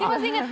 iya masih inget